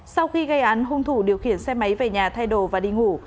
sau khi gây án hung thủ điều khiển xe máy về nhà thay đồ và đi ngủ